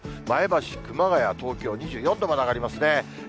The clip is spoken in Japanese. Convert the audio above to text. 前橋、熊谷、東京２４度まで上がりますね。